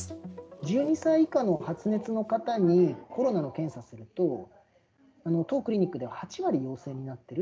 １２歳以下の発熱の方にコロナの検査すると、当クリニックでは８割陽性になっている。